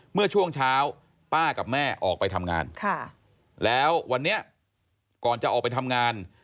เมื่อช่วงเช้าป้ากับแม่ออกไปทำงานแล้ววันนี้ก่อนจะออกไปทำงาน